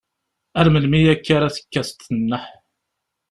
Ar melmi akka ara tekkateḍ nneḥ?